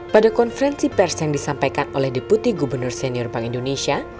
pada konferensi pers yang disampaikan oleh deputi gubernur senior bank indonesia